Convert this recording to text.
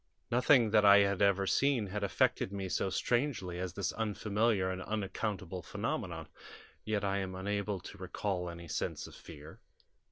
"Nothing that I had ever seen had affected me so strangely as this unfamiliar and unaccountable phenomenon, yet I am unable to recall any sense of fear.